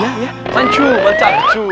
wah ya ya mancang cu